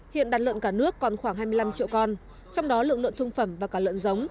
hiện đàn lợn cả nước còn khoảng hai mươi năm triệu con trong đó lượng lợn thương phẩm và cả lợn giống